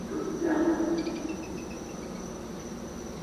也结束的航点也会展示在这页面。